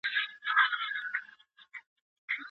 په لاس خط لیکل د ډله ایزو کارونو په پرمختګ کي مرسته کوي.